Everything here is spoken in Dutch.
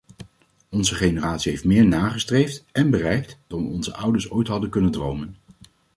Onze generatie heeft meer nagestreefd, en bereikt, dan onze ouders ooit hadden kunnen dromen.